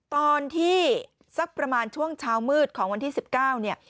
ตอนที่สักประมาณช่วงเช้ามืดของวันที่๑๙เนี่ย